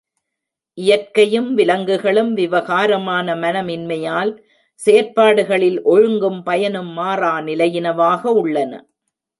இயற்கையும் விலங்குகளும் விவகாரமான மனம் இன்மையால் செயற்பாடுகளில் ஒழுங்கும் பயனும் மாறா நிலையினவாக உள்ளன.